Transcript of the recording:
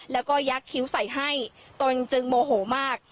แล้วก็ยักษ์คิ้วใส่ให้ตนจึงโมโหมาก